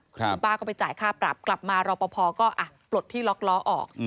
คุณป้าก็ไปจ่ายค่าปรับกลับมารอปภก็ปลดที่ล็อกล้อออก